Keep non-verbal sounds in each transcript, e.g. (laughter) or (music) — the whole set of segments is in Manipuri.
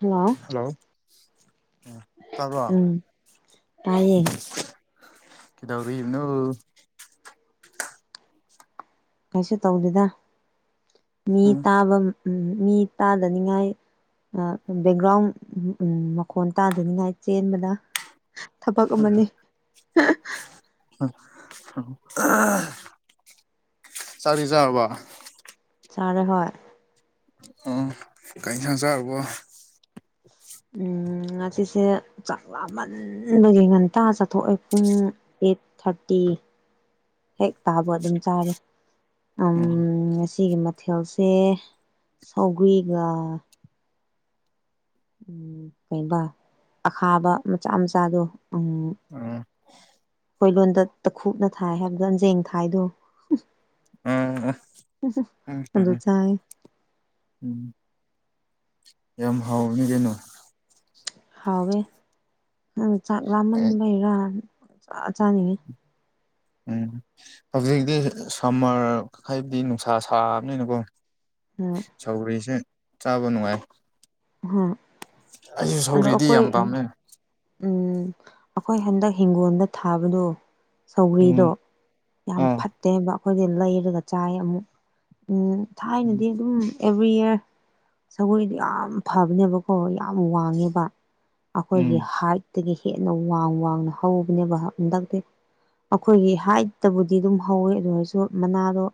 ꯍꯜꯂꯣ ꯍꯂꯣ ꯇꯕ꯭ꯔꯣ ꯎꯝ ꯇꯥꯏꯌꯦ ꯀꯗꯧꯔꯤꯅꯣ ꯀꯩꯁꯨ ꯇꯧꯗꯦꯗ ꯃꯤ ꯎꯝ ꯇꯥꯕ ꯎꯝ ꯃꯤ ꯇꯥꯗꯅꯤꯡꯉꯥꯏ ꯕꯦꯛꯒ꯭ꯔꯥꯎꯟ ꯃꯈꯣꯟ ꯇꯥꯗꯅꯤꯡꯉꯥꯏ ꯆꯦꯟꯕꯗ ꯊꯕꯛ ꯑꯃꯅꯤ ꯆꯛꯇꯤ ꯆꯔꯕꯣ ꯆꯔꯦ ꯍꯣꯏ ꯎꯝ ꯀꯩ ꯏꯅꯁꯥꯡ ꯆꯥꯔꯕꯣ ꯎꯝ ꯉꯁꯤꯁꯦ ꯆꯥꯛ ꯂꯝꯃꯟ ꯕꯒꯤ ꯉꯟꯇꯥ ꯆꯊꯣꯛꯑꯦ ꯄꯨꯡ ꯑꯩꯠ ꯊꯥꯔꯇꯤ ꯍꯦꯛ ꯇꯥꯕꯒ ꯑꯗꯨꯝ ꯆꯥꯔꯦ ꯑꯝ ꯎꯝ ꯉꯁꯤꯒꯤ ꯃꯊꯦꯜꯁꯦ ꯁꯧꯒ꯭ꯔꯤꯒ ꯎꯝ ꯀꯩꯕ ꯑꯈꯥꯕ ꯃꯆꯥ ꯃꯆꯥꯗꯣ ꯎꯝ ꯑꯝ ꯑꯩꯈꯣꯏ ꯂꯣꯟꯗ ꯇꯈꯨꯠꯅꯊꯥꯏ ꯍꯥꯏꯕꯗꯣ ꯑꯟꯖꯦꯡ ꯊꯥꯏꯗꯣ ꯑ ꯑꯗꯨ ꯑꯝ ꯆꯥꯏ (unintelligible) ꯌꯥꯝ ꯍꯥꯎꯕꯅꯤ ꯀꯩꯅꯣ ꯍꯥꯎꯋꯦ ꯅꯪ ꯆꯥꯛ ꯑꯩ ꯂꯥꯃꯟꯕꯩꯔꯥ ꯆ ꯆꯥꯅꯤꯡꯉꯤ ꯎꯝ ꯍꯧꯖꯤꯛꯇꯤ ꯁꯝꯃꯔ ꯍꯥꯏꯕꯗꯤ ꯅꯨꯡꯁꯥ ꯁꯥꯕꯅꯤꯅꯀꯣ ꯎꯝ ꯁꯧꯒ꯭ꯔꯤꯁꯦ ꯆꯥꯕ ꯅꯨꯡꯉꯥꯏ ꯑꯍꯝ ꯑꯩꯁꯨ ꯁꯧꯔ꯭ꯛꯗꯤ ꯌꯥꯝ ꯄꯥꯝꯃꯦ ꯎꯝ ꯑꯩꯈꯣꯏ ꯍꯟꯗꯛ ꯍꯤꯡꯒꯣꯜꯗ ꯊꯥꯕꯗꯣ ꯎꯝ ꯁꯧꯒ꯭ꯔꯤꯗꯣ ꯌꯥꯝ ꯑꯥ ꯐꯠꯇꯦꯕ ꯑꯩꯈꯣꯏꯗꯤ ꯂꯩꯔꯒ ꯆꯥꯏ ꯑꯃꯨꯛ ꯑꯝ ꯎꯝ ꯊꯥꯏꯅꯗꯤ ꯑꯗꯨꯝ ꯑꯦꯕ꯭ꯔꯤ ꯏꯌꯥꯔ ꯁꯒꯣꯏꯗꯤ ꯌꯥꯝ ꯐꯕꯅꯦꯕꯀꯣ ꯌꯥꯝ ꯋꯥꯡꯉꯦꯕ ꯑꯩꯈꯣꯏꯒꯤ ꯍꯥꯏꯠꯇꯒꯤ ꯍꯦꯟꯅ ꯋꯥꯡ ꯋꯥꯡꯅ ꯍꯧꯕꯅꯦꯕ ꯍꯟꯗꯛꯇꯤ ꯑꯩꯈꯣꯏꯒꯤ ꯍꯥꯏꯠꯇꯕꯨꯗꯤ ꯑꯗꯨꯝ ꯍꯧꯋꯦ ꯑꯗꯨ ꯑꯣꯏꯔꯁꯨ ꯃꯅꯥꯗꯣ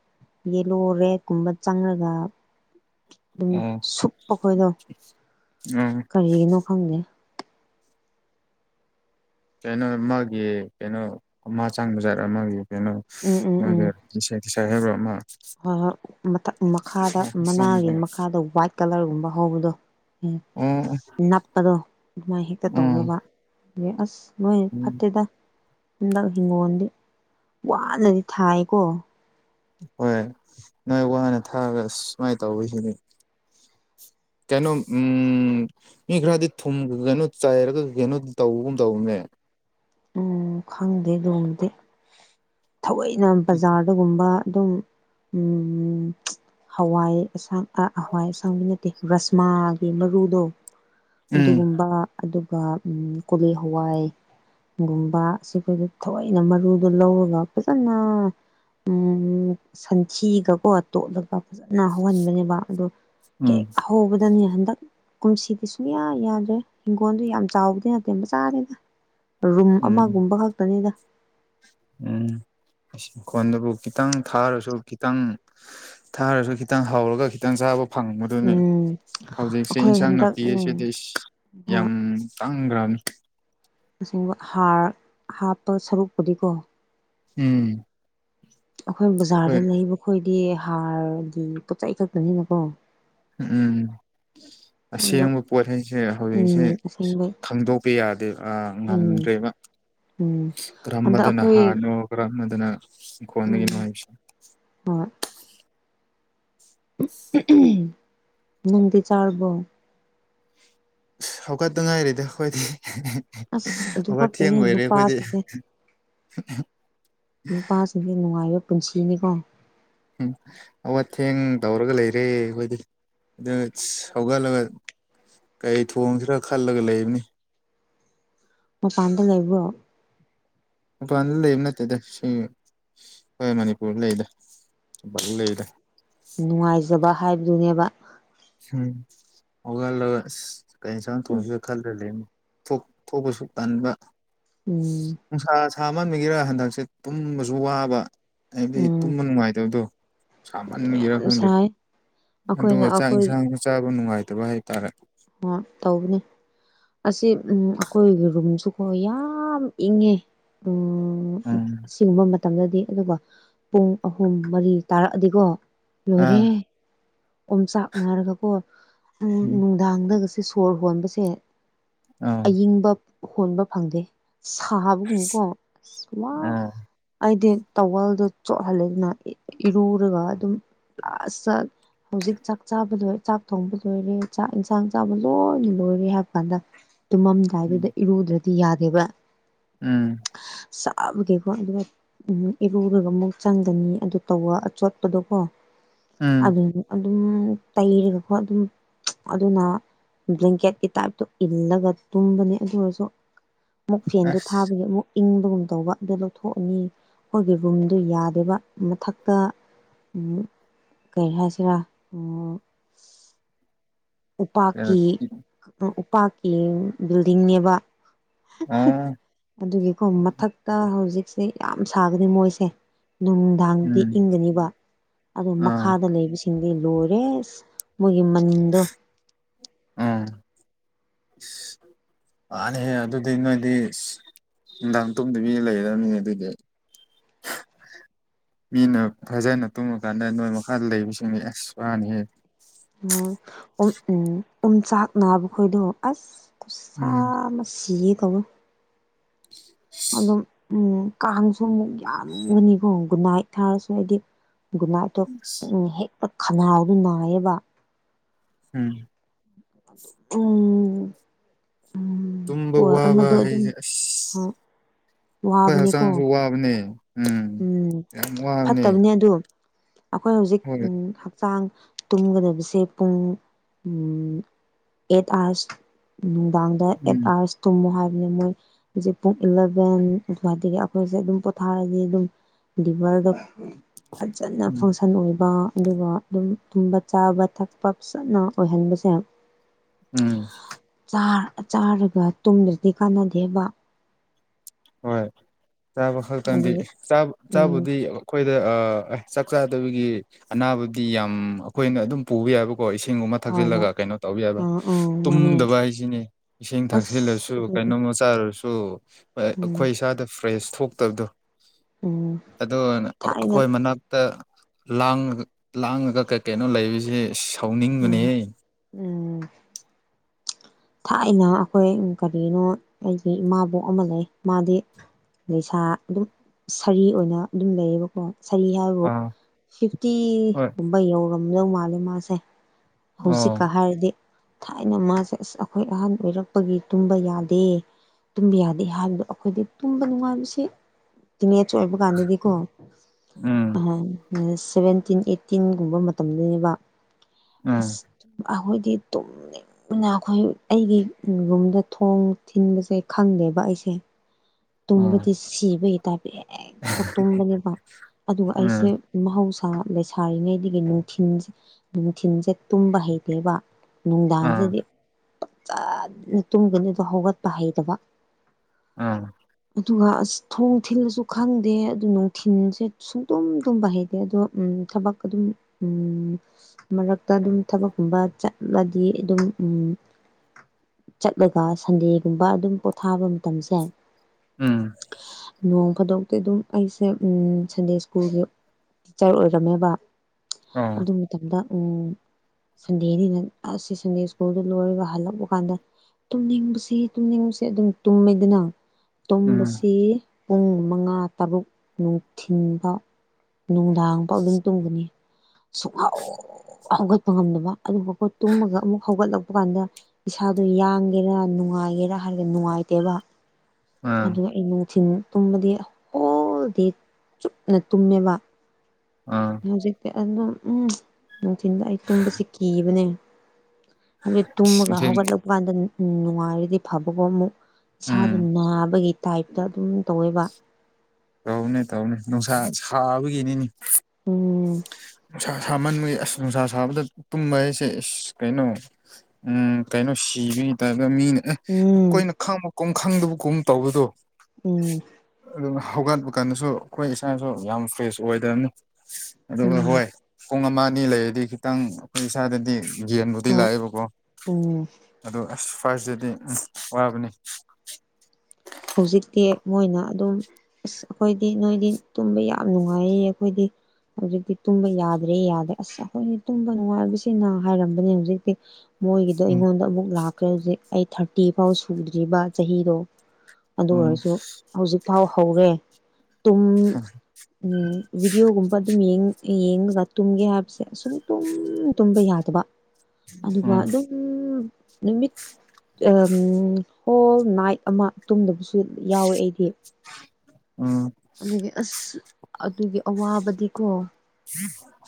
ꯌꯦꯂꯣ ꯔꯦꯗ ꯀꯨꯝꯕ ꯆꯪꯉꯒ ꯑꯗꯨꯝ ꯎꯝ ꯁꯨꯞꯄꯈꯣꯏꯗꯣ ꯎꯝ ꯀꯔꯤꯒꯤꯅꯣ ꯈꯪꯗꯦ ꯀꯩꯅꯣ ꯃꯥꯒꯤ ꯀꯩꯅꯣ ꯑꯃ ꯆꯡꯕꯖꯥꯠꯔ ꯃꯥꯒꯤ ꯀꯩꯅꯣ ꯎꯝ ꯎꯝ ꯃꯣꯏꯒꯤ ꯎꯝ ꯏꯟꯁꯦꯛꯇꯤꯁꯥꯏꯇ ꯍꯥꯏꯕ꯭ꯔꯥ ꯑꯃ ꯍꯣꯏ ꯍꯣꯏ ꯃꯊꯛ ꯃꯈꯥꯗ ꯆꯪꯕꯅꯦ ꯃꯅꯥꯒꯤ ꯃꯈꯥꯗ ꯋꯥꯏꯠ ꯀꯂꯔꯒꯨꯝꯕ ꯍꯧꯕꯗꯣ ꯎꯝ ꯅꯞꯄꯗꯣ ꯑꯗꯨꯃꯥꯏꯅ ꯍꯦꯛꯇ ꯎꯝ ꯇꯧꯋꯦꯕ ꯌꯦ ꯑꯁ ꯅꯣꯏ ꯎꯝ ꯐꯠꯇꯦꯗ ꯍꯟꯗꯛ ꯍꯤꯡꯒꯣꯜꯗꯤ ꯋꯥꯅꯗꯤ ꯊꯥꯏꯀꯣ ꯍꯣꯏ ꯅꯣꯏ ꯋꯥꯅ ꯊꯥꯔꯒ ꯁꯨꯃꯥꯏꯅ ꯇꯧꯕꯁꯤꯅꯤ ꯀꯩꯅꯣ ꯎꯝ ꯃꯤ ꯈꯔꯗꯤ ꯊꯨꯝꯒ ꯀꯩꯅꯣ ꯆꯥꯏꯔꯒ ꯀꯩꯅꯣ ꯇꯧꯕꯒꯨꯝ ꯇꯧꯕꯅꯦ ꯎꯝ ꯈꯪꯗꯦ ꯑꯗꯨꯒꯨꯝꯕꯗꯤ ꯊꯑꯣꯏꯅ ꯕꯖꯥꯔ ꯗꯒꯨꯝꯕ ꯑꯗꯨꯝ ꯎꯝ ꯍꯋꯥꯏ ꯑꯁꯥꯡ ꯑ ꯍꯋꯥꯏ ꯑꯁꯥꯡꯕꯤ ꯅꯠꯇꯦ ꯔꯁꯃꯥꯒꯤ ꯃꯔꯨꯗꯣ ꯎꯝ ꯑꯗꯨꯒꯨꯝꯕ ꯑꯗꯨꯒ ꯀꯣꯂꯤ ꯍꯋꯥꯏ ꯒꯨꯝꯕ ꯁꯤꯈꯣꯏꯗ ꯊꯑꯣꯏꯅ ꯃꯔꯨꯗꯣ ꯂꯧꯔꯒ ꯐꯖꯅ ꯎꯝ ꯁꯟꯊꯤꯒꯀꯣ ꯇꯣꯠꯂꯒ ꯐꯖꯅ ꯍꯧꯍꯟꯕꯅꯦꯕ ꯑꯗꯣ ꯍꯦꯛ ꯎꯝ ꯍꯧꯕꯗꯅꯦ ꯍꯟꯗꯛ ꯀꯨꯝꯁꯤꯒꯤ ꯁꯨꯡꯌꯥ ꯌꯥꯗ꯭ꯔꯦ ꯍꯤꯡꯒꯣꯟꯗꯣ ꯌꯥꯝ ꯆꯥꯎꯕꯗꯤ ꯅꯠꯇꯦ ꯃꯆꯥꯅꯤꯗ ꯔꯨꯝ ꯎꯝ ꯑꯃꯒꯨꯝꯕ ꯈꯛꯇꯅꯤꯗ ꯎꯝ ꯈꯣꯟꯗꯕꯨ ꯈꯤꯇꯪ ꯊꯥꯔꯁꯨ ꯈꯤꯇꯪ ꯊꯥꯔꯁꯨ ꯈꯤꯇꯪ ꯍꯥꯎꯔꯒ ꯈꯤꯇꯪ ꯆꯥꯕ ꯐꯪꯕꯗꯨꯅꯤ ꯎꯝ ꯍꯧꯖꯤꯛꯁꯦ ꯑꯩꯈꯣꯏ ꯏꯟꯁꯥꯡ ꯍꯟꯗꯛ ꯅꯥꯄꯤ ꯎꯝ ꯑꯁꯤꯗꯤ ꯌꯥꯝ ꯇꯥꯡꯒ꯭ꯔꯥꯝ ꯁꯦꯡꯕ ꯍꯥꯔ ꯍꯥꯞꯄ ꯁꯔꯨꯛꯄꯨꯗꯤꯀꯣ ꯎꯝ ꯑꯈꯣꯏ ꯕꯖꯥꯔꯗ ꯍꯣꯏ ꯂꯩꯕ ꯈꯣꯏꯗꯤ ꯍꯥꯔꯒꯤ ꯄꯣꯠ ꯆꯩ ꯈꯛꯇꯅꯤꯅꯀꯣ ꯎꯝ ꯑꯗꯣ ꯑꯁꯦꯡꯕ ꯄꯣꯠ ꯍꯥꯏꯩꯁꯦ ꯍꯧꯖꯤꯛꯁꯦ ꯎꯝ ꯑꯁꯦꯡꯕꯩ ꯈꯪꯗꯣꯛꯄꯤ ꯌꯥꯗꯦ ꯑꯥ ꯎꯝ ꯉꯥꯝꯗ꯭ꯔꯦꯕ ꯎꯝ ꯍꯟꯗꯛ ꯀꯔꯝꯕꯗꯅ ꯑꯩꯈꯣꯏ ꯍꯥꯥꯅꯣ ꯀꯔꯝꯕꯗꯅ ꯎꯝ ꯏꯪꯈꯣꯟꯗꯒꯤꯅꯣ ꯍꯥꯏꯁꯦ ꯍꯣꯏ ꯅꯪꯗꯤ ꯆꯥꯔꯕꯣ ꯍꯧꯒꯠꯇ ꯉꯥꯏꯔꯦꯗꯤ ꯑꯩꯈꯣꯏꯗꯤ ꯑꯁ ꯑꯗꯨ ꯈꯛꯇꯅꯦ ꯊꯦꯡꯂꯣꯏꯔꯦ ꯑꯩꯈꯣꯏꯗꯤ ꯅꯨꯄꯥꯁꯤꯡꯁꯦ ꯅꯨꯄꯥꯁꯤꯡ ꯅꯨꯡꯉꯥꯏꯕ ꯄꯨꯟꯁꯤꯅꯦꯀꯣ ꯎꯝꯑꯋꯊꯦꯡ ꯇꯧꯔꯒ ꯂꯩꯔꯦ ꯑꯩꯈꯣꯏꯗꯤ ꯗꯁ ꯍꯧꯒꯠꯂꯒ ꯀꯩ ꯊꯣꯡꯁꯤꯔꯥ ꯈꯜꯂꯒ ꯂꯩꯕꯅꯤ ꯃꯄꯥꯟꯗ ꯂꯩꯕ꯭ꯔꯣ ꯃꯄꯥꯟꯗ ꯂꯩꯕ ꯅꯠꯇꯦꯗ ꯁꯤ ꯍꯏ ꯃꯅꯤꯄꯨꯔꯗ ꯂꯩꯗ (unintelligible) ꯅꯨꯡꯉꯥꯏꯖꯕ ꯍꯥꯏꯝꯗꯨꯅꯦꯕ ꯎꯝ ꯑꯣꯒꯜꯂꯒ ꯀꯩ ꯏꯦꯟꯁꯥꯡ ꯊꯣꯡꯁꯤꯒ ꯈꯜꯂ ꯂꯩꯝ ꯊꯣꯛ ꯊꯣꯛꯄꯁꯨ ꯇꯥꯟꯕ ꯎꯝ ꯅꯨꯡꯁꯥ ꯁꯥꯃꯟꯕꯒꯤꯔꯥ ꯍꯟꯗꯛꯁꯦ ꯇꯨꯝꯕꯁꯨ ꯋꯥꯕ ꯑꯩꯗꯤ ꯎꯝ ꯇꯨꯝꯕ ꯅꯨꯡꯉꯥꯏꯇꯕꯗꯣ ꯌꯥꯝ ꯁꯥꯃꯟꯒꯤꯔꯥ ꯈꯪꯗꯦ ꯁꯥꯏ ꯑꯩꯈꯣꯏꯅ ꯑꯗꯨꯒ ꯆꯥꯛ ꯑꯩꯈꯣꯏ ꯏꯦꯟꯁꯥꯡꯖꯨ ꯆꯥꯕ ꯅꯨꯡꯉꯥꯏꯇꯕ ꯍꯥꯏꯇꯥꯔꯦ ꯑꯣ ꯇꯧꯕꯅꯦ ꯑꯁꯤ ꯎꯝ ꯑꯩꯈꯣꯏꯒꯤ ꯔꯨꯝꯁꯨꯀꯣ ꯌꯥꯝ ꯏꯪꯉꯦ ꯎ ꯎꯝ ꯎꯝ ꯑꯁꯤꯒꯨꯝꯕ ꯃꯇꯝꯗꯗꯤ ꯑꯗꯨꯒ ꯄꯨꯡ ꯑꯍꯨꯝ ꯃꯔꯤ ꯇꯥꯔꯛꯑꯗꯤꯀꯣ ꯑꯥ ꯂꯣꯔꯦ ꯑꫭꯝꯆꯥꯛꯅꯔꯒꯀꯣ ꯎꯝ ꯅꯨꯡꯗꯥꯡꯗꯒꯁꯦ ꯁꯣꯔ ꯍꯣꯟꯕꯁꯦ ꯑ ꯏꯪꯕ ꯍꯣꯟꯕ ꯐꯪꯗꯦ ꯁꯥꯕꯒꯨꯝꯕꯀꯣ ꯋꯥ ꯑꯥꯎ ꯑꯩꯗꯤ ꯇꯧꯋꯦꯜꯗꯣ ꯆꯣꯠꯍꯜꯂꯦꯗꯅ ꯏꯔꯨꯔꯒ ꯑꯗꯨꯝ ꯂꯥꯁꯇ ꯍꯧꯖꯤꯛ ꯆꯥꯛ ꯆꯥꯕ ꯂꯣꯏ ꯆꯥꯛ ꯊꯣꯡꯕ ꯂꯣꯏꯔꯦ ꯆꯥꯛ ꯏꯟꯁꯥꯡ ꯆꯥꯕ ꯂꯣꯏꯅ ꯂꯣꯏꯔꯦ ꯍꯥꯏꯕ ꯀꯥꯟꯗ ꯇꯨꯝꯃꯝꯗꯥꯏꯗꯨꯗ ꯎꯝ ꯏꯔꯨꯗ꯭ꯔꯗꯤ ꯌꯥꯗꯦꯕ ꯎꯝ ꯁꯕꯒꯤꯀꫭ ꯎꯝ ꯏꯔꯨꯔꯒꯃꯨꯛ ꯆꯪꯒꯅꯤ ꯑꯗꯨ ꯇꯧꯕ ꯑꯆꯣꯠꯄꯗꯣꯀꯣ ꯎꯝ ꯑꯗꯨ ꯑꯗꯨꯝ ꯇꯩꯔꯒꯀꯣ ꯑꯗꯨꯝ ꯑꯗꯨꯅ ꯕ꯭ꯂꯦꯡꯀꯦꯠꯀꯤ ꯇꯥꯏꯞꯇꯣ ꯏꯜꯂꯒ ꯇꯨꯝꯕꯅꯦ ꯑꯗꯨ ꯑꯣꯏꯔꯁꯨ ꯑꯃꯨꯛ ꯐꯦꯟꯗꯣ ꯑꯁ ꯊꯥꯕꯒꯤ ꯑꯃꯨꯛ ꯏꯪꯕꯒꯨꯝ ꯇꯧꯕ ꯑꯗꯨꯒ ꯊꯣꯛꯑꯅꯤ ꯑꯩꯈꯣꯏꯒꯤ ꯔꯨꯝꯗꯨ ꯌꯥꯗꯦꯕ ꯃꯊꯛꯇ ꯎꯝ ꯀꯔꯤ ꯍꯥꯏꯁꯤꯔꯥ ꯎ ꯑꯣ ꯎꯄꯥꯛꯀꯤ ꯎꯄꯥꯛꯀꯤ ꯕꯤꯜꯗꯤꯡꯅꯦꯕ ꯑꯗꯨꯒꯤꯀꯣ ꯃꯊꯛꯇ ꯍꯧꯖꯤꯛ ꯁꯦ ꯌꯥꯝ ꯁꯥꯒꯅꯤ ꯃꯣꯏꯁꯦ ꯅꯨꯡꯗꯥꯡꯗꯤ ꯎꯝ ꯏꯪꯒꯅꯤꯕ ꯑꯗꯨ ꯑꯥ ꯃꯈꯥꯗ ꯂꯩꯕꯁꯤꯡꯗꯤ ꯂꯣꯏꯔꯦ ꯑꯁ ꯃꯣꯏꯒꯤ ꯃꯅꯤꯟꯗꯣ ꯑ ꯋꯥꯅꯦꯍꯦ ꯑꯗꯨꯗꯤ ꯅꯣꯏꯗꯤ ꯅꯨꯡꯗꯥꯡ ꯇꯨꯝꯗꯕꯤꯗ ꯂꯩꯔꯕꯅꯤ ꯑꯗꯨꯏꯗꯤ ꯃꯤꯅ ꯐꯖꯅ ꯇꯨꯝꯃꯀꯥꯟꯗ ꯅꯣꯏ ꯃꯈꯥꯗ ꯂꯩꯕꯁꯤꯡꯅꯤ ꯑꯁ ꯋꯥꯅꯤꯍꯦ ꯎ ꯎ ꯎꯝ ꯆꯥꯛ ꯅꯥꯕ ꯈꯣꯏꯗꯣ ꯑꯁ ꯎꯝ ꯈꯨꯁꯥꯃ ꯁꯤꯒꯦ ꯇꯩꯋꯦ (inaudible) ꯑꯗꯨꯝ ꯎꯝ ꯀꯥꯡꯁꯨ ꯑꯃꯨꯛ ꯌꯥꯝꯒꯅꯤꯀꯣ ꯒꯨꯟ ꯅꯥꯏꯠ ꯊꯥꯔꯁꯨ ꯍꯥꯏꯗꯤ ꯒꯨꯅꯥꯢꯠꯇꯤ ꯍꯦꯛꯇ ꯈꯅꯥꯎꯗꯨ ꯅꯥꯏꯌꯦꯕ ꯎꯝ (inaudible) ꯎꯨꯡ ꯇꯨꯝꯕ ꯀꯣ ꯋꯥꯕ ꯑꯃꯗꯣ ꯑꯗꯨꯝ ꯍꯥꯏꯁꯦ ꯑꯁ ꯑꯩꯈꯣꯏ ꯋꯥꯕꯅꯦꯀꯣ ꯍꯛꯆꯥꯡꯁꯨ ꯋꯥꯕꯅꯦ ꯎꯝ ꯌꯥꯝ ꯋꯥꯕꯅꯦ ꯐꯠꯇꯕꯅꯦꯕ ꯑꯗꯣ ꯑꯃ ꯍꯧꯖꯤꯛ ꯎꯞ ꯍꯣꯏ ꯍꯛꯆꯥꯡ ꯇꯨꯝꯒꯗꯕꯁꯦ ꯄꯨꯡ ꯏꯝ ꯑꯩꯠ ꯑꯥꯋꯔꯁ ꯅꯨꯡꯗꯥꯡꯗ ꯑꯦꯠ ꯎꯝ ꯂꯥꯁ ꯇꯨꯝꯃꯣ ꯍꯥꯏꯕꯅꯤ ꯃꯣꯏ ꯍꯧꯖꯤꯛ ꯄꯨꯡ ꯏꯂꯚꯦꯟ ꯑꯗꯨꯋꯥꯏꯗꯒꯤ ꯑꯩꯈꯣꯏꯁꯦ ꯑꯗꯨꯝ ꯄꯣꯊꯥꯔꯗꯤ ꯑꯗꯨꯝ ꯂꯤꯚꯔꯗ ꯐꯖꯅ ꯎꯝ ꯐꯪꯁꯟ ꯑꯣꯏꯕ ꯑꯗꯨꯒ ꯑꯗꯨꯝ ꯇꯨꯝꯕ ꯆꯥꯕ ꯊꯛꯄ ꯐꯖꯅ ꯑꯣꯏꯍꯟꯕꯁꯦ ꯎꯝ ꯆꯥꯔꯒ ꯆꯥꯔꯒ ꯇꯨꯝꯕꯖꯤꯗꯤ ꯀꯥꯟꯅꯗꯦꯕ ꯍꯣꯏ ꯆꯥꯕ ꯈꯛꯇꯪꯗꯤ ꯑꯗꯨꯒꯤ ꯆꯥ ꯎꯝ ꯆꯥꯕꯨꯗꯤ ꯑꯩꯈꯣꯏꯗ ꯆꯥꯛ ꯆꯥꯗꯕꯒꯤ ꯑꯅꯥꯕꯗꯤ ꯌꯥꯝ ꯑꯩꯈꯣꯏꯅ ꯑꯗꯨꯝ ꯄꯨꯕ ꯌꯥꯏꯕꯀꯣ ꯏꯁꯤꯡꯒꯨꯝꯕ ꯍꯣꯏ ꯊꯛꯆꯤꯜꯂꯒ ꯍꯣꯏ ꯀꯩꯅꯣ ꯇꯧꯕ ꯌꯥꯕ ꯑꯥ ꯑꯥ ꯃꯥꯅꯦ ꯇꯨꯝꯗꯕ ꯍꯥꯏꯁꯤꯅꯤ ꯏꯁꯤꯡ ꯊꯛꯆꯤꯜꯂꯁꯨ ꯑꯁ ꯑꯗꯨꯅꯤ ꯀꯩꯅꯣꯃ ꯆꯥꯔꯁꯨ ꯎꯝ ꯑꯩꯈꯣꯏ ꯏꯁꯥꯗ ꯐ꯭ꯔꯦꯁ ꯊꯣꯛꯇꯕꯗꯣ ꯎꯝ ꯑꯗꯣ ꯊꯥꯏꯅ ꯑꯩꯈꯣꯏ ꯃꯅꯥꯛ ꯇ ꯂꯥꯡ ꯂꯥꯡꯉꯒ ꯂꯥꯡꯉꯒ ꯀꯩ ꯀꯩꯅꯣ ꯂꯩꯕꯁꯦ ꯎꯝ ꯁꯥꯎꯅꯤꯡꯕꯅꯦ ꯎꯝ ꯊꯥꯏꯅ ꯑꯩꯈꯣꯏ ꯀꯔꯤꯅꯣ ꯑꯩꯒꯤ ꯏꯃꯥꯕꯣꯛ ꯑꯃ ꯂꯩ ꯃꯥꯗꯤ ꯂꯩꯁꯥ ꯑꯗꯨꯝ ꯁꯔꯤ ꯑꯣꯏꯅ ꯑꯗꯨꯝ ꯂꯩꯌꯦꯕ ꯑꯣ ꯁꯔꯤ ꯍꯥꯏꯕꯨ ꯑꯥ ꯍꯣꯏ ꯐꯤꯞꯇꯤꯒꯨꯝꯕ ꯌꯧꯔꯝꯗꯧ ꯃꯥꯜꯂꯦ ꯃꯥꯁꯦ ꯑꯣ ꯍꯧꯖꯤꯛꯀ ꯍꯥꯏꯔꯗꯤ ꯊꯥꯏꯅ ꯃꯥꯁꯦ ꯑꯁ ꯑꯩꯈꯣꯏ ꯑꯍꯟ ꯑꯣꯏꯔꯛꯄꯒꯤ ꯇꯨꯝꯕ ꯌꯥꯗꯦ ꯇꯨꯝꯕ ꯌꯥꯗꯦ ꯍꯥꯏꯕꯗꯣ ꯑꯩꯈꯣꯏꯗꯤ ꯇꯨꯝꯕ ꯅꯨꯡꯉꯥꯏꯕꯁꯤ ꯇꯤꯟ ꯑꯦꯖ ꯑꯣꯏꯕ ꯀꯥꯟꯗꯗꯤꯀꯣ ꯎꯝ ꯁꯚꯦꯟꯇꯤꯟ ꯑꯩꯠꯇꯤꯟꯒꯨꯝꯕ ꯃꯇꯝꯗꯅꯦꯕ ꯎꯝ ꯑꯁ ꯑꯩꯈꯣꯏꯗꯤ ꯇꯨꯝꯃꯦ ꯅ ꯑꯩꯈꯣꯏ ꯑꯩꯒꯤ ꯌꯨꯝꯗ ꯊꯣꯡ ꯊꯤꯟꯕꯁꯦ ꯈꯪꯗꯦꯕ ꯑꯩꯁꯦ ꯇꯨꯝꯕꯗꯤ ꯑꯣ ꯁꯤꯕꯒꯤ ꯇꯥꯏꯕ ꯍꯦꯛꯇ ꯇꯨꯝꯕꯅꯦꯕ ꯑꯗꯨꯒ ꯑꯩꯁꯦ ꯎꯝ ꯃꯍꯧꯁꯥ ꯂꯩꯁꯥꯔꯤꯉꯩꯗꯒꯤ ꯅꯨꯡꯊꯤꯟ ꯅꯨꯡꯊꯤꯟꯁꯦ ꯇꯨꯝꯕ ꯍꯩꯇꯦꯕ ꯑꯥ ꯅꯨꯡꯗꯥꯡꯁꯤꯗꯤ ꯐꯖꯅ ꯇꯨꯝꯗꯕꯤꯗ ꯍꯧꯒꯠꯄ ꯍꯩꯇꯥꯕ ꯑꯥ ꯑꯗꯨꯒ ꯑꯁ ꯊꯣꯡ ꯊꯤꯜꯂꯁꯨ ꯈꯪꯗꯦ ꯑꯗꯨ ꯅꯨꯡꯊꯤꯟꯜꯁꯦ ꯁꯨꯡꯇꯨꯝ ꯇꯨꯝꯕ ꯍꯩꯇꯦ ꯑꯗꯣ ꯎꯝ ꯊꯕꯛ ꯑꯗꯨꯝ ꯎꯝ ꯃꯔꯛꯇ ꯑꯗꯨꯝ ꯊꯕꯛꯀꯨꯝꯕ ꯆꯠꯂꯗꯤ ꯑꯗꯨꯝ ꯎꯝ ꯆꯠꯂꯒ ꯁꯟꯗꯦꯒꯨꯝꯕ ꯑꯗꯨꯝ ꯄꯣꯊꯥꯕ ꯃꯇꯝꯁꯦ ꯎꯝ ꯅꯣꯡ ꯐꯥꯗꯣꯛꯇꯤ ꯑꯗꯨꯝ ꯑꯩꯁꯦ ꯁꯟꯗꯦ ꯁ꯭ꯀꯨꯜꯒꯤ ꯇꯤꯆꯔ ꯑꯣꯏꯔꯝꯃꯦꯕ ꯑꯣ ꯑꯗꯨ ꯃꯇꯝꯗ ꯎꯝ ꯁꯟꯗꯦꯅꯤꯅ ꯑꯁ ꯁꯟꯗꯦ ꯁ꯭ꯀꯨꯜꯗ ꯂꯣꯏꯔꯒ ꯍꯜꯂꯛꯄ ꯀꯥꯟꯗ ꯇꯨꯝꯅꯤꯡꯕꯁꯤ ꯇꯨꯝꯅꯤꯡꯕꯁꯤ ꯑꯗꯨꯝ ꯇꯨꯝꯃꯦꯗꯅ ꯎꯝ ꯇꯨꯝꯕꯁꯤ ꯄꯨꯡ ꯃꯉꯥ ꯇꯔꯨꯛ ꯅꯨꯡꯊꯤꯟꯐꯥꯎ ꯅꯨꯡꯗꯥꯡ ꯐꯥꯎ ꯑꯗꯨꯝ ꯇꯨꯝꯕꯅꯤ ꯁꯨꯛꯍꯧ ꯍꯧꯒꯠꯄ ꯉꯝꯗꯕ ꯑꯗꯨꯒꯐꯥꯎꯕꯣ ꯇꯨꯝꯃꯒ ꯑꯃꯨꯛ ꯍꯧꯒꯠꯂꯛꯄ ꯀꯥꯟꯗ ꯏꯁꯥꯗꯣ ꯌꯥꯡꯒꯦꯔꯥ ꯅꯨꯡꯉꯥꯏꯒꯦꯔꯥ ꯍꯥꯏꯔꯒ ꯅꯨꯡꯉꯥꯏꯇꯦꯕ ꯑꯥ ꯑꯗꯨꯒ ꯑꯩ ꯅꯨꯡꯊꯤꯟ ꯇꯨꯝꯕꯗꯤ ꯍꯣꯜꯗꯦ ꯆꯨꯞꯅ ꯇꯨꯝꯃꯦꯕ ꯑꯥ ꯍꯧꯖꯤꯛꯇꯤ ꯑꯗꯨꯝ ꯎꯝ ꯅꯨꯡꯊꯤꯟꯗ ꯑꯩ ꯇꯨꯝꯕꯁꯦ ꯀꯤꯕꯅꯦ ꯑꯗꯨ ꯇꯨꯝꯃꯒ ꯅꯨꯡꯊꯤꯜ ꯍꯧꯒꯠꯂꯛꯄ ꯀꯥꯟꯗ ꯅꯨꯡꯉꯥꯏꯔꯗꯤ ꯐꯕꯀꯣ ꯑꯃꯨꯛ ꯏꯁꯥꯗꯣ ꯎꯝ ꯅꯥꯕꯒꯤ ꯇꯥꯏꯞꯇ ꯑꯗꯨꯝ ꯇꯧꯋꯦꯕ ꯇꯧꯕꯅꯦ ꯇꯧꯕꯅꯦ ꯅꯨꯡꯁꯥ ꯁꯥꯕꯒꯤꯅꯤꯅꯦ ꯎꯝ ꯅꯨꯡꯁꯥ ꯁꯥꯃꯟꯕꯒꯤ ꯑꯁ ꯅꯨꯡꯁꯥ ꯁꯥꯕꯗ ꯇꯨꯝꯕ ꯍꯥꯏꯁꯦ ꯏꯁ ꯀꯩꯅꯣ ꯎꯝ ꯀꯩꯅꯣ ꯁꯤꯕꯒꯤ ꯇꯥꯏꯞꯇ ꯃꯤꯅ ꯑꯦ ꯎꯝ ꯑꯩꯈꯣꯏꯅ ꯈꯪꯕ ꯀꯨꯝ ꯈꯪꯗꯕ ꯀꯨꯝ ꯇꯧꯕꯗꯣ ꯎꯝ ꯑꯗꯨꯝ ꯍꯧꯒꯠꯄ ꯀꯥꯟꯗꯁꯨ ꯑꯩꯈꯣꯏ ꯏꯁꯥꯁꯨ ꯌꯥꯝ ꯐ꯭ꯔꯦꯁ ꯑꯣꯏꯗꯕꯅꯤ ꯑꯗꯨꯒ ꯎꯝ ꯍꯣꯏ ꯄꯨꯡ ꯑꯃ ꯑꯅꯤ ꯂꯩꯔꯗꯤ ꯈꯤꯇꯪ ꯑꯩꯈꯣꯏ ꯏꯁꯥꯗꯗꯤ ꯌꯦꯟꯕꯨꯗꯤ ꯍꯣꯏ ꯂꯥꯛꯑꯦꯕꯀꯣ ꯎꯝ ꯑꯗꯣ ꯑꯁ ꯐꯥꯔꯁ ꯇꯗꯤ ꯎꯝ ꯋꯥꯕꯅꯤ ꯍꯧꯖꯤꯛꯇꯤ ꯃꯣꯏꯅ ꯑꯗꯨꯝ ꯑꯁ ꯑꯩꯈꯣꯏꯗꯤ ꯅꯣꯏꯗꯤ ꯇꯨꯝꯕ ꯌꯥꯝ ꯅꯨꯡꯉꯥꯏꯌꯦ ꯑꯩꯈꯣꯏꯗꯤ ꯍꯧꯖꯤꯛꯇꯤ ꯇꯨꯝꯕ ꯌꯥꯗ꯭ꯔꯦ ꯌꯥꯗ꯭ꯔꯦ ꯑꯁ ꯑꯩꯈꯣꯏ ꯇꯨꯝꯕ ꯅꯨꯡꯉꯥꯏꯕꯁꯤꯅ ꯍꯥꯏꯔꯝꯕꯅꯦ ꯍꯧꯖꯤꯛꯇꯤ ꯃꯣꯏꯒꯤꯗꯣ ꯎꯝ ꯑꯩꯉꯣꯟꯗ ꯑꯃꯨꯛ ꯂꯥꯛꯈ꯭ꯔꯦ ꯍꯧꯖꯤꯛ ꯑꯩ ꯊꯥꯔꯇꯤ ꯐꯥꯎ ꯁꯨꯗ꯭ꯔꯤꯕ ꯆꯍꯤꯗꯣ ꯑꯗꯨ ꯎꯝ ꯑꯣꯏꯔꯁꯨ ꯍꯧꯖꯤꯛꯐꯥꯎ ꯍꯧꯔꯦ ꯇꯨꯝ ꯎꯝ ꯕꯤꯗꯤꯑꯣꯒꯨꯝꯕ ꯑꯗꯨꯝ ꯌꯦꯡꯉꯒ ꯇꯨꯝꯒꯦ ꯍꯥꯏꯕꯁꯦ ꯁꯨꯛꯇꯨꯝ ꯇꯨꯝꯕ ꯌꯥꯗꯦ ꯑꯗꯨꯒ ꯎꯝ ꯑꯗꯨꯝ ꯅꯨꯃꯤꯠ ꯍꯣꯜ ꯅꯥꯏꯠ ꯑꯃ ꯇꯨꯝꯗꯕꯁꯨ ꯌꯥꯎꯋꯦ ꯑꯩꯗꯤ ꯎꯝ ꯑꯗꯨꯒꯤ ꯑꯁ ꯑꯗꯨꯒꯤ ꯑꯋꯥꯕꯗꯤꯀꯣ (inaudible)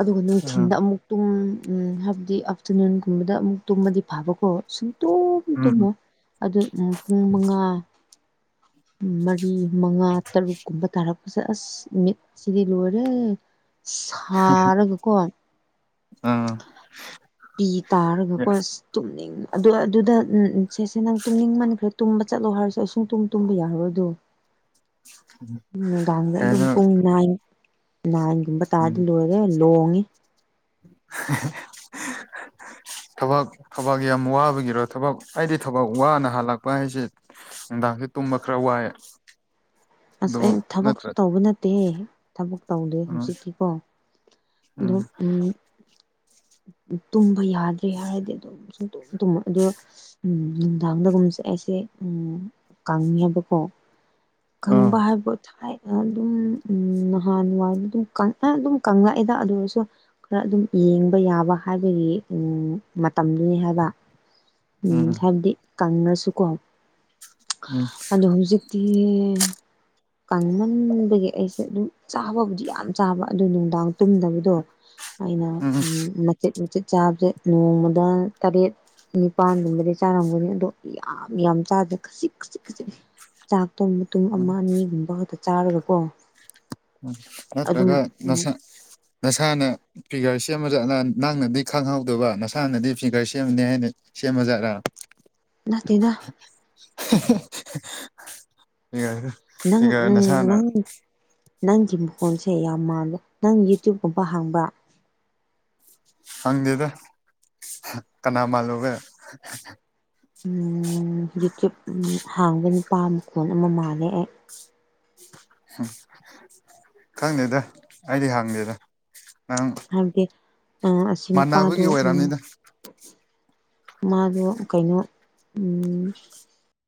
ꯑꯗꯨꯒ ꯅꯨꯡꯊꯤꯟꯗ ꯑꯃꯨꯛ ꯇꯨꯝ ꯍꯥꯏꯕꯗꯤ ꯑꯥꯞꯇꯔꯅꯨꯟꯒꯨꯝꯕꯗ ꯑꯃꯨꯛ ꯇꯨꯝꯃꯗꯤ ꯐꯕꯀꯣ ꯁꯨꯡꯇꯨꯝ ꯎꯝ ꯎꯝ ꯇꯨꯝꯃꯣꯏ ꯑꯗꯨ ꯄꯨꯡ ꯃꯉꯥ ꯃꯔꯤ ꯃꯉꯥ ꯇꯔꯨꯛ ꯀꯨꯝꯕ ꯇꯥꯔꯛꯄꯁꯦ ꯑꯁ ꯃꯤꯠꯁꯤꯗꯤ ꯂꯣꯏꯔꯦ ꯁꯥꯔꯒꯀꯣ ꯑꯥ ꯄꯤ ꯇꯥꯔꯒꯀꯣꯁ ꯇꯨꯝꯅꯤꯡ ꯑꯗꯨ ꯑꯗꯨꯗ ꯎꯝ ꯁꯦꯁꯦ ꯅꯪ ꯇꯨꯝꯅꯤꯡ ꯃꯟꯈ꯭ꯔꯦ ꯇꯨꯝꯕ ꯆꯠꯂꯣ ꯍꯥꯏꯔꯁꯨ ꯑ ꯁꯨꯡ ꯇꯨꯝ ꯇꯨꯝꯕ ꯌꯥꯔꯔꯣꯏꯗꯣ (inaudible) ꯅꯨꯡꯗꯥꯡꯗ ꯑꯗꯨꯝ ꯀꯩꯅꯣ ꯄꯨꯡ ꯅꯥꯏꯟ ꯅꯥꯏꯟ ꯒꯨꯝꯕ ꯎꯝ ꯇꯥꯔꯗꯤ ꯂꯣꯏꯔꯦ ꯂꯣꯡꯉꯤ ꯊꯕꯛ ꯊꯕꯛ ꯌꯥꯝ ꯋꯥꯕꯒꯤꯔꯣ ꯊꯕꯛ ꯑꯩꯗꯤ ꯊꯕꯛ ꯋꯥꯅ ꯍꯜꯂꯛꯄ ꯍꯥꯏꯁꯦ ꯅꯨꯡꯗꯥꯡꯁꯦ ꯇꯨꯝꯕ ꯈꯔ ꯋꯥꯏꯑꯦ ꯑꯁ ꯑꯩ ꯊꯕꯛꯁꯨ ꯇꯧꯕ ꯅꯠ ꯇꯦ ꯊꯕꯛ ꯇꯧꯗꯦ ꯎꯝ ꯍꯧꯖꯤꯛꯇꯤꯀꯣ ꯑꯗꯨ ꯎꯝ ꯎꯝ ꯇꯨꯝꯕ ꯌꯥꯗ꯭ꯔꯤ ꯍꯥꯏꯔꯗꯤ ꯑꯗꯨꯝ ꯑꯗꯨꯝ ꯇꯨꯝꯃꯣꯏ ꯑꯗꯣ ꯅꯨꯡꯗꯥꯡꯗꯒꯨꯝꯁꯦ ꯑꯩꯁꯦ ꯎꯝ ꯀꯪꯉꯦꯕꯀꯣ ꯑꯥ ꯈꯪꯕ ꯍꯥꯏꯕꯨ ꯊꯥꯏ ꯑꯗꯨꯝ ꯎꯝ ꯅꯍꯥꯟꯋꯥꯏ ꯑꯗꯨꯝ ꯀꯪ ꯑꯦ ꯑꯗꯨꯝ ꯀꯪꯂꯛꯑꯦꯗ ꯑꯗꯨ ꯑꯣꯏꯔꯁꯨ ꯈꯔ ꯑꯗꯨꯝ ꯌꯦꯡꯕ ꯌꯥꯕ ꯍꯥꯏꯕꯒꯤ ꯎꯝ ꯃꯇꯝꯗꯨꯅꯤ ꯍꯥꯏꯕ ꯎꯝ ꯍꯥꯏꯕꯗꯤ ꯀꯪꯉꯁꯨꯀꯣ ꯎꯝ ꯑꯗꯣ ꯍꯧꯖꯤꯛ ꯇꯤꯌꯦ ꯀꯥꯡꯃꯟꯕꯒꯤ ꯑꯩꯁꯦ ꯑꯗꯨꯝ ꯆꯥꯕꯕꯨꯗꯤ ꯌꯥꯝ ꯆꯥꯕ ꯑꯗꯨ ꯅꯨꯡꯗꯥꯡ ꯇꯨꯝꯗꯕꯗꯣ ꯑꯩꯅ ꯎꯝ ꯃꯆꯦꯠ ꯃꯆꯦꯠ ꯆꯥꯕꯁꯦ ꯅꯣꯡꯃꯗ ꯇꯔꯦꯠ ꯅꯤꯄꯥꯟꯒꯨꯝꯕꯗꯤ ꯆꯥꯔꯝꯒꯅꯤ ꯑꯗꯣ ꯌꯥꯝ ꯌꯥꯝ ꯆꯥꯗꯦ ꯈꯖꯤꯤꯛ ꯈꯖꯤꯛ ꯈꯖꯤꯛ ꯈꯖꯤꯛ ꯅꯤ ꯆꯥꯛꯇꯣ ꯃꯇꯨꯝ ꯎꯝ ꯑꯃ ꯑꯅꯤꯒꯨꯝꯕ ꯈꯛꯇ ꯆꯥꯔꯒꯀꯣ ꯑꯗꯨꯝ ꯅꯠꯇ꯭ꯔꯒ ꯅꯁꯥ ꯅꯁꯥꯅ ꯐꯤꯒꯔ ꯁꯦꯝꯃꯖꯥꯠꯂ ꯅꯪꯅꯗꯤ ꯈꯪꯍꯧꯗꯕ ꯅꯁꯥꯅꯗꯤ ꯐꯤꯒꯔ ꯁꯦꯝꯕꯅꯤ ꯍꯥꯏꯅ ꯁꯦꯝꯃ ꯖꯥꯠꯂ ꯅꯥꯠꯇꯦꯗ (unintelligible) ꯅꯪ ꯎꯝ ꯅꯁꯥꯅ ꯅꯪ ꯅꯪꯒꯤ ꯃꯈꯣꯟꯁꯦ ꯌꯥꯝ ꯃꯥꯜꯂꯦ ꯅꯪ ꯌꯨꯇ꯭ꯌꯨꯕꯀꯨꯝꯕ ꯍꯥꯡꯕꯥ ꯍꯪꯗꯦꯗ ꯀꯅꯥ ꯃꯥꯜꯂꯨꯒꯦ (unintelligible) ꯎꯝ ꯌꯨꯇ꯭ꯌꯨꯞ ꯍꯥꯡꯕ ꯅꯨꯄꯥ ꯃꯈꯣꯟ ꯑꯃ ꯃꯥꯜꯂꯦ ꯑꯩ ꯈꯪꯗꯦꯗ ꯑꯩꯗꯤ ꯍꯪꯗꯦꯗ ꯅꯪ ꯍꯥꯏꯕꯗꯤ ꯑ ꯑꯁꯤ ꯅꯨꯄꯥꯗꯣ ꯃꯥꯟꯅꯕꯒꯤ ꯎꯝ ꯑꯣꯏꯔꯝꯅꯤꯗ ꯃꯥꯗꯣ ꯀꯩꯅꯣ ꯎꯝ